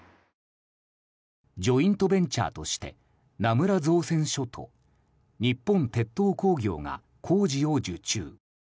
ジョイントベンチャーとして名村造船所と日本鉄塔工業が工事を受注。